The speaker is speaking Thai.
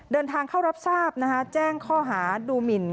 เดินทางเข้ารับทราบแจ้งข้อหาดูหมิน